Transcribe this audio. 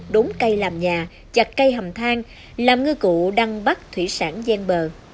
đốn cây làm nhà chặt cây hầm thang làm ngư cụ đăng bắt thủy sản gian bờ